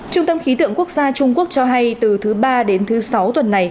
trung tâm khí tượng quốc gia trung quốc cho hay từ thứ ba đến thứ sáu tuần này